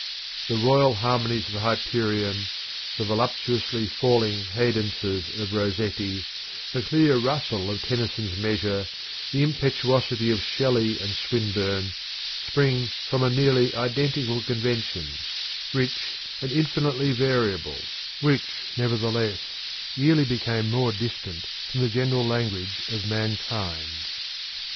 The royal harmonies of Hyperion, the voluptuously falling cadences of Rossetti, the clear rustle of Tennyson's measure, the impetuosity of Shelley and Swinburne, spring from a nearly identical convention, rich and infinitely vari able, which nevertheless yearly became more distant from the general language of mankind.